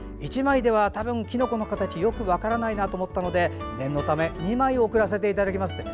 １枚では、きのこの形がよく分からないかなと思ったので念のため２枚送らせていただきます。